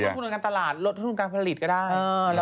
ลดคุณการตลาดลดคุณการผลิตก็ได้